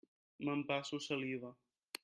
M'empasso saliva.